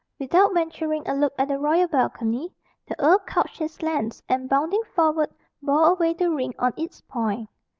Without venturing a look at the royal balcony, the earl couched his lance, and bounding forward, bore away the ring on its point.